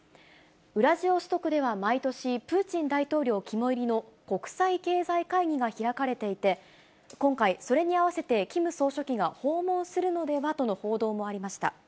ウラジオストクでは毎年、プーチン大統領肝煎りの国際経済会議が開かれていて、今回、それに合わせてキム総書記が訪問するのではとの報道もありました。